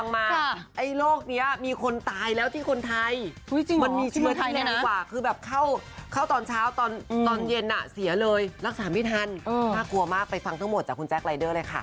เมื่อวานนี้หลังจบรายการต้องขยาย